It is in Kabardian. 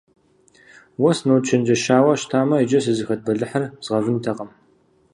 Уэ сыночэнджэщауэ щытамэ, иджы сызыхэт бэлыхьыр згъэвынтэкъым.